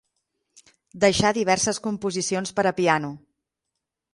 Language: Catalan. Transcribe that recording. Deixà diverses composicions per a piano.